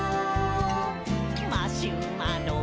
「マシュマロ？」